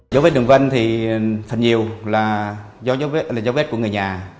dấu vết đường văn thì thật nhiều là dấu vết của người nhà